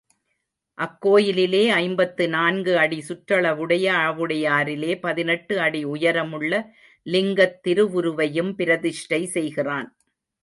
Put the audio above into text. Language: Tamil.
அக்கோயிலிலே ஐம்பத்து நான்கு அடி சுற்றளவுடைய ஆவுடையாரிலே பதினெட்டு அடி உயரமுள்ள லிங்கத் திருவுருவையும் பிரதிஷ்டை செய்கிறான்.